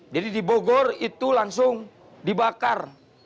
jadi di bogor itu langsung dibakar